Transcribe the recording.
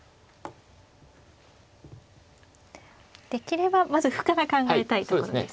できればまず歩から考えたいところですね。